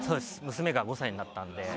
娘が５歳になったんで。